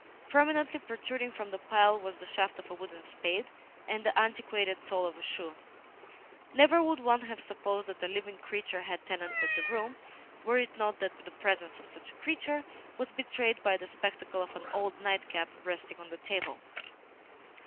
Prominently protruding from the pile was the shaft of a wooden spade and the antiquated sole of a shoe. Never would one have supposed that a living creature had tenanted the room, were it not that the presence of such a creature was betrayed by the spectacle of an old nightcap resting on the table.